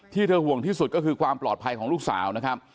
เธอห่วงที่สุดก็คือความปลอดภัยของลูกสาวนะครับ